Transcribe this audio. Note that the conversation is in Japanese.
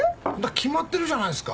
決まってるじゃないですか。